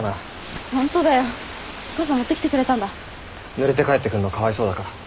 ぬれて帰ってくるのかわいそうだから。